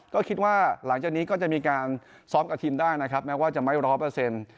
ก็คิดว่าหลังจากนี้ก็จะมีการซ้อมกับทีมได้นะครับแม้ว่าจะไม่ร้อยเปอร์เซ็นต์